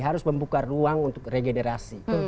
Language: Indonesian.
harus membuka ruang untuk regenerasi